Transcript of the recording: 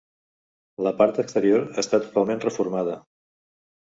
La part exterior està totalment reformada.